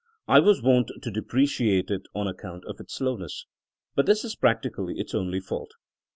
I was wont to depreciate it on account of its slowness. But this is practically its only fault.